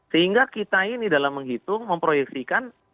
sehingga kita ini dalam menghitung memproyeksikan